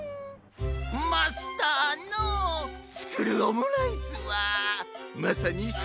マスターのつくるオムライスはまさにし